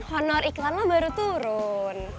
honor iklan lo baru turun